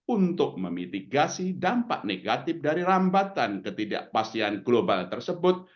untuk memitigasi dampak negatif dari rambatan ketidakpastian global tersebut